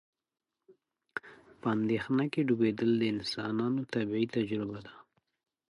په اندېښنه کې ډوبېدل د انسانانو طبیعي تجربه ده.